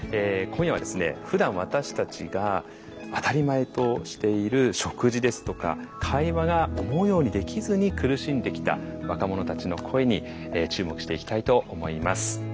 今夜はですねふだん私たちが当たり前としている食事ですとか会話が思うようにできずに苦しんできた若者たちの声に注目していきたいと思います。